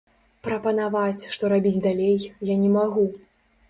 Прапанаваць, што рабіць далей, я не магу.